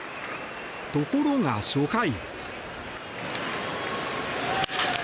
ところが初回。